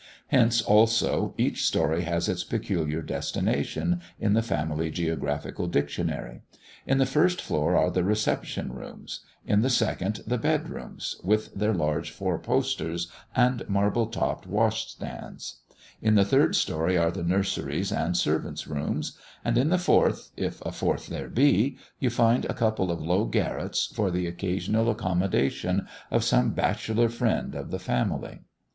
Hence, also, each story has its peculiar destination in the family geographical dictionary. In the first floor are the reception rooms; in the second the bed rooms, with their large four posters and marble topped wash stands; in the third story are the nurseries and servants' rooms; and in the fourth, if a fourth there be, you find a couple of low garrets, for the occasional accommodation of some bachelor friend of the family.